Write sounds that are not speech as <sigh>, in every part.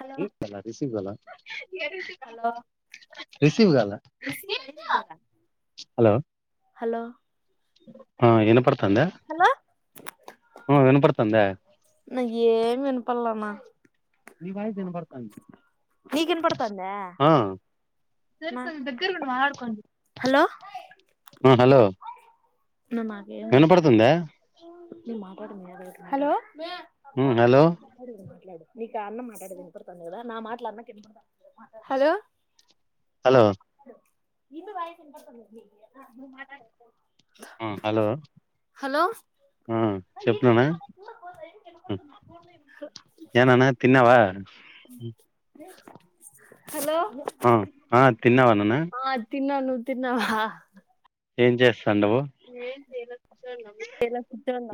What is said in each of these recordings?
Hello hello hello ఆ వినపడుతంద hello వినపడుతందా నాకు ఏంఇనపడులెఅన్న ని వాయిస్ ఇనపడుతంది ఆ సరికంత దగ్గర కుండు మ కొన్ హలో పరి వినపడుతుందా మీే హలో ఉమ్ హలో మాట్లా నీకు అన్న మాట్డదను పతాందిద నా మాటలు అన్నకు ఇన్స్పాడుతాయి హలో హలో మట్ల ఇ వయికి ఎంత పడు ఆ హలో హలో ఆ చెప్న్నానా నేనానా తిన్నావా ఆ ఆ తిన్న వనన్న నువు తన్నావా ఏం చేస్తాండవు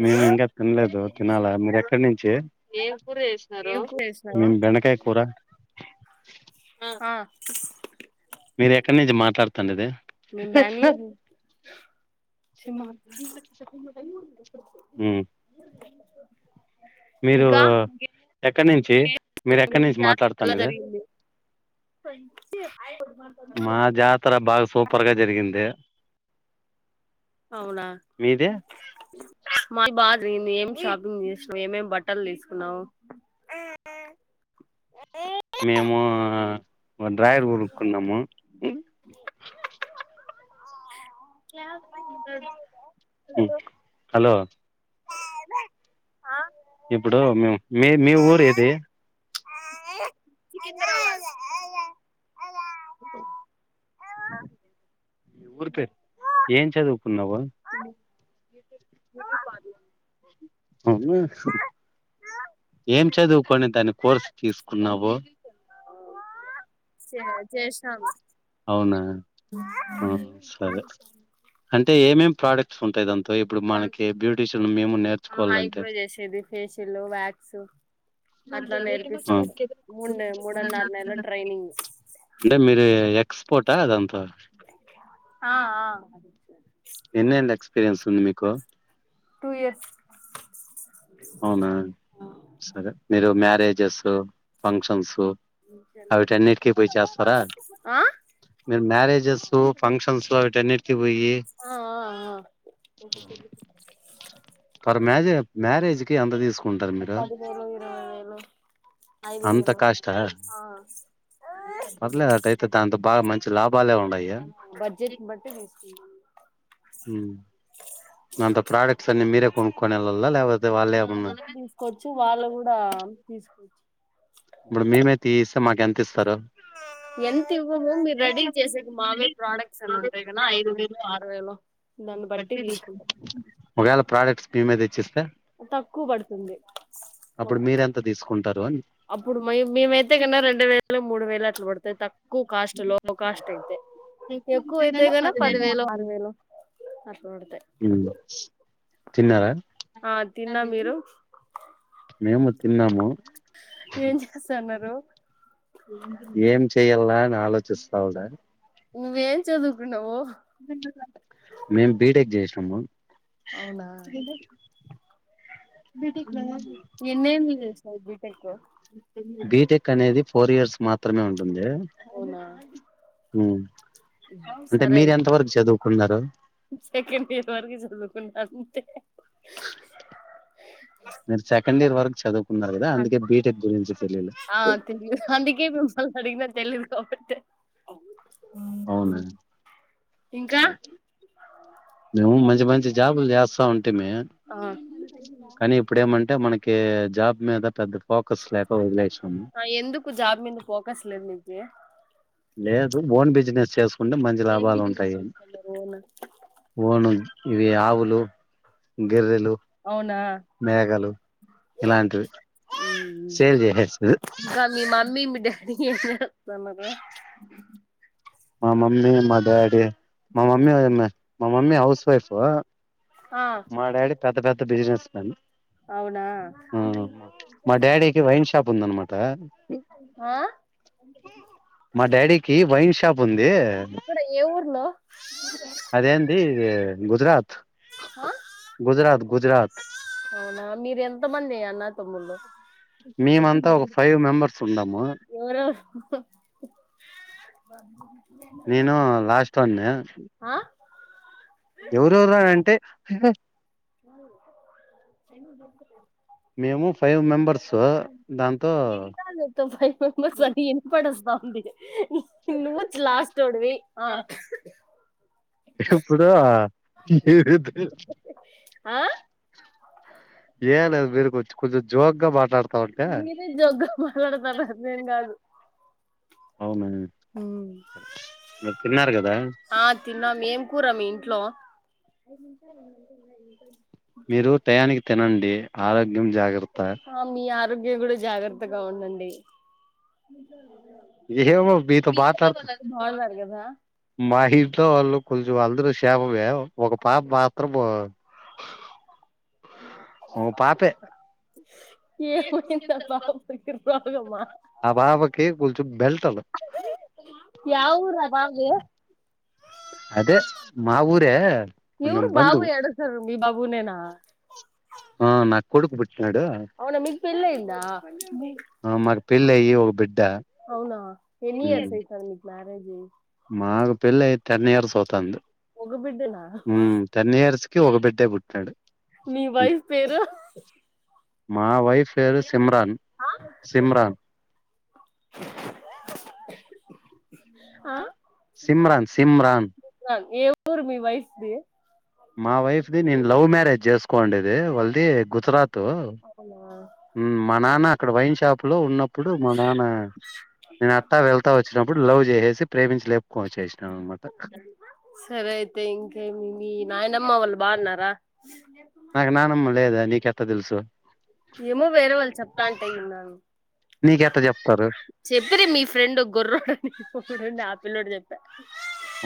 మేము ఇంకా తినలేదు తినాలా మీరు ఎక్కడి నుంచి కూర చే ఏం కూర చేసినావు మేము బెండకాయ కూర ఆ మీరు ఎక్కడి నుంచి మాట్లాడుతండద మేము బెంగళూరు ఇంకా ఇక్కడ నుంచి మీరు ఎక్కడి నుంచి ఎలా మాట్లాడుతండేది జరిగింది మా జాతర బాగా సూపర్గా జరిగింది అవునా మీది మా బ నేను ఏం షాపింగ్ చేసివ్ ఏమేం బట్టలు తీసుకున్నావు. మేము ఒక డ్రాయర్ కొడుక్కున్నాము. ఇక్కడ ఎటువంటి పదములు ఉపయోగించలేదు. ఆ హలో ఒక చిన్న పిల్లవాడి శబ్దం వినపడింది. ఇప్పుడు మే మీ మీ ఊరు ఏది? ఆ అలా. మీ ఊరి పేరు ఏం చదువుకున్నావు. నా అది అవునా ఏం చదువుకని దాన్ని కోర్సు తీసుకున్నావు? ఇక్కడ కూడా అంతే. అవునా హు ఆ సరే అంటే ఏమేం ప్రోడక్ట్. సుంటాయిదన్ నేర్చుకోవాలంటే ఐబ్రో చేసేది ఫేషియల్ వ్యాక్స్. అట్లా నేర్పిస్తారు మూడు మూడున్నర నెలల ట్రైనింగ్ అంటే మీరు ఎక్స్పోట అదంతా ఆ ఆ ఎన్నేళ్ల ఎక్స్పీరియన్స్ ఉంది మీక్ క టూ ఇయర్స్ అవునా సరే మీరు మ్యారేజెస్ ఫంక్షన్స్ అవిటిన్నిటికీ పోయి చేస్తారా ఆ మీరు మ్యారేజెస్ ఫంక్షన్స్ లో వీటన్ని ఆ ఆ ఆ ఫర్ మ్యారేజ్ మ్యారేజ్కి ఎంత తీసుకుంటారు మీరు పదివేలు ఇరవై వేలు ఐదు అంత వేలు కాస్ట్ ఆ పర్లేదుఅట్టైతే అయితే దాంతో బాగా మంచి లాభాలే ఉన్నాయి బడ్జెట్ న్ బట్టి తీస్ ఇ హూమ్ అంత ప్రోడక్ట్స్ అన్ని మీరే కొనుక్కొని వెళ్ళాల లేకపోతే వాళ్ళే ఏమన్నా తీసుకోవచ్చు వాళ్ళు కూడా తీసుకోవచ్చు మడు మేమే తీస్ మాకు ఎంత ఇస్ తారు ఎంత ఇవ్వము మీరు రెడీ చేసేకి మావే ప్రోడక్ట్స్ అని ఉంటాయి కదా ఐదు వేలు ఆరు వేలు దాన్ని బట్టి తీసుకుంటాం ఒకలా ప్రొడక్ట్స్ మేమే తే త తక్కువ పడుతుంది అప్పుడు మీరెంత తీసుకుంటారు అని అప్పుడు మేమైతే కన్నా రెండు వేలు మూడు వేలు అట్లా పడతాయి తక్కువ కాస్ట్ లో కాస్ట్ అయితే ఎక్కువైతే కన్నా పది వేలు ఆరువేలు అట్లా పడతాయి ఉమ్. తిన్నారా ఆ తిన్నాం మీరు మేము తిన్నాము ఏం చేస్తన్నారు ఏం చేయల్నా నాన్ ఆలోచిస్తా ఉండ నువ్వేం చదువుకున్నావు మేము బీటెక్ అవునా <inaudible> ఎన్నేళ్ళు చేసావ్ బీటెక్ బిటెక్ అనేది ఫోర్ ఇయర్స్ మాత్రమే పత్రమేమి <unintelligible> ఉంటుంది అవునా ఉమ్. అంటే సరే మీరు అయితే ఎంత వరకు చదువుకున్నారు సెకండ్ ఇయర్ వరకు చదువుకున్న అంతే మీరు సెకండ్ ఇయర్ వరకు చదువుకున్నారు కదా అందుకే బీటెక్ గురించి తెలియలే ఆ తెలియదు అందుకే మిమల్ని అడిగిన తెలియదు కాబట్టే అ అవును ఇంకా మంచి మంచి జాబులు చేస్తా ఆ కానీ ఇప్పుడు ఏమంటే మనకి ఓకే జాబ్ మీద పెద్ద పోకస్ లేక వదిలేశాం ఆ, ఎందుకు జాబ్ మీద ఫోకస్ లేదు నీకి లేదు బోన్ బి బిజినెస్ చేసు అంటే మంచి లాభాలు ఉంటాయి అవునా ఓను ఇ ఆవులు గెర్రెలు అవునా మేఘలు ఇలాంటివి సేల్ చేసేస్తది మీ మమ్మి మీ డాడీ ఏమీ చేస్తన్నారారు మా మమ్మీ మా డాడీ మా మమ్మీ మా మమ్మీ హౌస్ వైఫ్ ఆ మా డాడి పెద్ద పెద్ద బిజినెస్ తం అవునా ఉంది అన్మాట ఆ మా డాడీకి వైన్ షాప్ ఉంది ఇప్పుడ ఏ ఊర్లో అదేంది గుజరాత్ ఆ గుజరాత్ గుజరాత్ అవునా మీరు ఎంత మంది అన్నదమ్ములు మేమంతా ఒక ఫైవ్ మెంబర్స్ ఉన్నాము ఎవరు నేను లాస్ట్ వన్న ఆ ఎవరెవరా అంటే ఎందుకు మేము ఫైవ్ మెంబర్స్ దాంతో దుః ఇ మబ అని ఇ పడస్త ఉంది నుూ లాస్ట్డువి ఇప్పుడు హీ ఆ ఏలా మీేరుకు వచ్చు కొంచం జోగగా మాట్లాడు మీరే జోగ్గా మాట్లాడతారా నేను కాదు అవునా తిరున్నార్గదా ఆ తిన్నాం ఏం కూర మీ ఇంట్లో మీరు తయానికి తినండి ఆరోగ్యం జాగ్రత ఇం కూడా జాగ్రత్తగా ఉండండి ఏమో ఏతో బత బాగున్నారు కదా మాహి వా కొంచెం అందర చేషేపమే ఒక పాప మాత్రం పాపే ఏమైందా బాబుకి రోగమా ఆ పాప కే బెల్ట్ అల్ యా ఊరు ఆ బాబుది అదే మా ఊరే కొం ఎవరు బందు బాబు ఏడుస్తారు మీ బాబునేనా అవునా మీకు పెళ్ళ అయిందా పళ్ల్ అయి ఒక బిడ్ అవునా ఎన్నియర్ సైత మ్యారేజీ మాకు పెళ్ళి అయి టెన్ ఇయర్స్ అవుతుంది మగ బిడ్డనా టన్ని ఇయర్స్ కి ఒకబట్టే మీ పుట్టిన్నాడు వైఫ్ పేరు మా వైఫ్ పేరు సిమ్రాన్ సిమ్రాన్ ఆ సిమ్రాన్ సిమరన్ ఏ ఊరు మీ వయసుది మా వైఫ్ ది నేను లవ్ మ్యారేజ్ చేసుకో కంది వల్ది గుజరాత్ అవునా మా నాన్న అక్కడ వైన్ షాప్ లో ఉన్నప్పుడు మా నాన్న నేను అట్టా వెళ్తా వచ్చినప్పుడు లవ్ చేసేసి ప్రేమించి లేపుకొనిచ్చసాను అనమాట అవళ బా అన్నారా నాకు నానమ్మ లేదా నీకెంత తెలుసు ఏమో వేరే వాళ్ళు చెప్తాంటే అన్నాను నీకెట్ట చెప్తారు చెప్పరి మీ ఫ్రెండ్ ఒక గొర్ర హె హె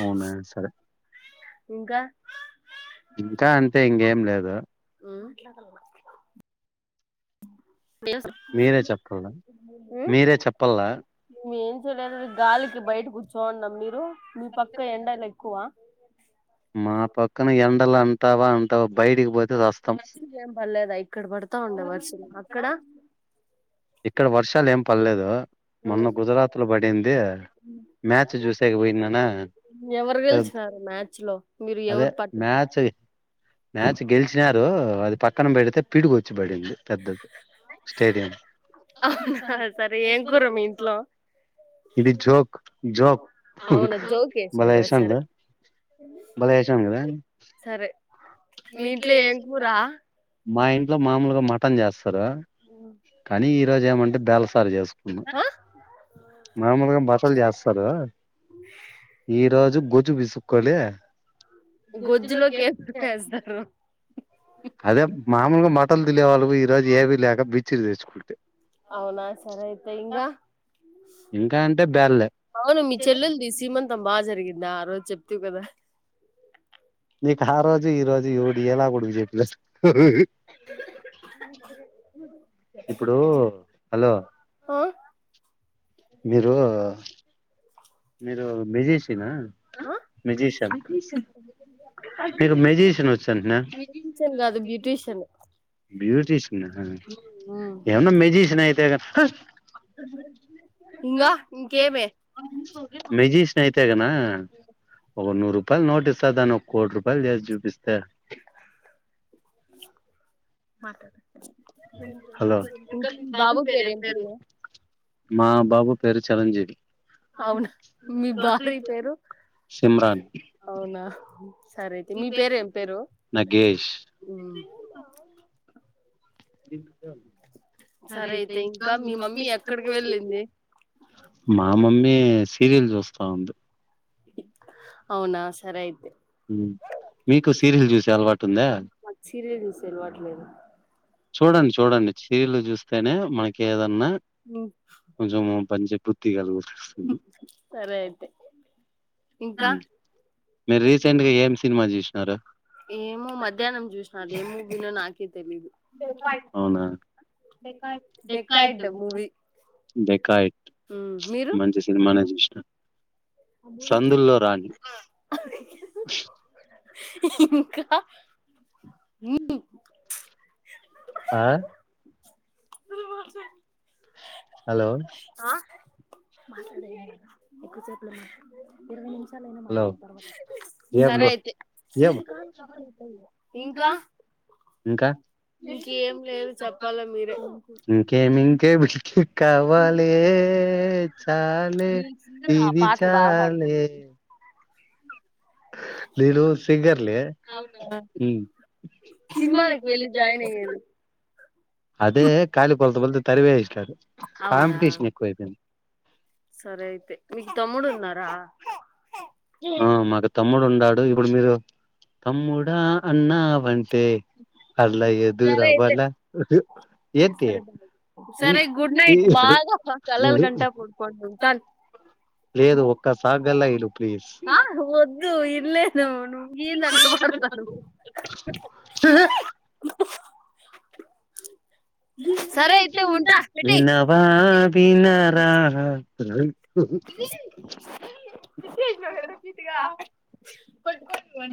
అవునా సరే ఇంకా ఇంకా అంటే ఇంకేం లేదు ఉమ్ ట్లా క తెలుసు మీరే చెప్పాల ఉమ్ మీరే చెప్పాల మీ లేద గాలికి బయట కూర్చోన్నాం మీరు మీ పక్క ఎండలు ఎక్కువ మా పక్కన ఎండలు అంట వా ఉంతా బయడికి పో వర్షలు ఏం పర్లేదా ఇక్కడ పడతా ఉండే వర్షలు అక్కడ ఇక్కడ వర్షాలు ఏం పర్లేదు మొన్న ఉమ్ గుజరాత్ లో పడింది మ్యాచ్ చూసాక పోయి నానా ఎవరు గెలిచినారు మ్యాచ్ లో మీరు అదే ఎవరు పట్టించారు మ్యాచ్ మ్యాచ్ గెలిచినారు అది పక్కన పెడితే పీడికొచ్చి బడి పెద్ద స్టేడియం అవునా సరే ఏం కూర మీ ఇంట్లో ఇది జోక్ జోక్ అవునా జోక్ వేసినారా బలేసా సరే బ వసాదా సరే మీ ఇంట్లో ఏం కూర మా ఇంట్లో మామలుగా మాటన్ చా కానీ ఈ రోజు ఏమంటే బ్యాలస్ సరి చేసు ఆ మామూలుగా బట్టలు చేస్తారు ఈరోజు గుొజ్జు విసుక్కోలి గుజులో వజద అదే మామూలుగా మాక్ పట్టలులివాళ్ళు ఈ రోజు ఏవీ లేక బిచ్చిరి తెచ్చుకుంటే అవునా సరే అయితే ఇంగా ఇంకా అంటే బేల్లే అవును మీ చెల్లెలిది సీమంతంబ బాగా జరిగిందా ఆ రోజు చెప్తివ్ కదా నీకు ఆ రోజు ఈ రోజు ది ఈవికి ఎలా కూడా చెప్పినాట్టు ఇప్పుడు హలో ఆ మీరూ మీరు మ్యజిషియనా ఆ మ్యజిషియన్ మీకు మెజిషియన్ వచ్చునంటనే బ్యూటీషియన్ కాదు బ్యూటీషియన్ బ్యూటిషియన్ ఆ ఏమన్నా మెజిషియన్ అయి తే తట్టుకో ఇంగా ఇంకేమే మెజిషిన్ అయితే గనా ఒక నూరు రూపాయలు నోట్ ఇస్త ఇస్తా దాని ఒక కోటి రూపాయలు చేసి చూపిస్తా మాటాడు హలో బాబు పేరు ఏం పేరు మా బాబు పేరు చిరంజీవి అవునా మీ భార్య పేరు సిమ్రాన్ అవునా సరే అయితే మీ పేరు ఏం పేరు నగేష్ సరే అయితే ఇంకా మీ మమ్మీ ఎక్కడికి వెళ్లింది సీరియల్ చూస్తా ఉంది అవునా సరే అయితే హు మీకు సీరియల్ చూసే అలవాటు ఉందా చలవట్లేదు చూడండి చూడండి చి సీరియల్ చూస్తేనే మనకి ఏద అమ్మ కొంచెం పని చెప్పొద్ద తీగలు చూస్ సరే అయితే ఇంకా మీరు రీసెంట్గా ఏం సినిమా జూసినారా ఏమో మధ్యాహ్నం చూసినదేమో అది ఏం మూవీ నో నాకే ఏదో తెలియదు డెక్కాయిడ్ మూవీ డికాయిట్ మీరు మంచి సినిమానే సందుల్లో రాణి ఇంకా ఆ హలో ఎక్కువసేపలు ఉన్నాయి ఇరవై హలో ని ఏం సరే ఐతే ఏం ఇంకా ఇంకా ఇంకేం లేదు చెప్పాలా మీరే ఇంకేం ఇంకేం ఇంకేం కావాలే ఏ చాలే ఆ ఇది పాటలు బాగా పాడుతా చాలే నేను సింగర్నే సినిమాలకి వెళ్ళి జాయిన్ అయ్యేది అదే ఖాళీ కొంతమంది పర్వేేశ్ కాదు అవునా కాంపిటీషన్ ఎక్కువైపోయింది సరే అయితే మీకు తమ్ముడు ఉన్నారా మీకు తమ్ముడున్నడా ఇప్పుడు మీరు తమ్ముడా అన్న అంటే అలా సరే అయితే ఏదురవన ఒకటి ఏంటి సరే గుడ్ నైట్ బాగా కలల్ గంటా పడ్కం ఉ చను లేదు ఒక్క సాంగ్ అన్న ఇను ఆ వద్దు ఇనలేను నువ్వు హీనంగా పడుతున్నావు సరే అయితే ఉంటా పెట్టెయ్ ఆహా అ